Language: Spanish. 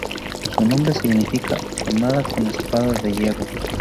Su nombre significa "armada con espada de hierro".